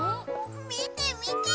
みてみて！